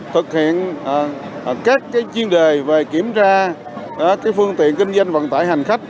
thực hiện các chuyên đề về kiểm tra phương tiện kinh doanh vận tải hành khách